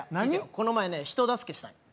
この前ね人助けしたんよ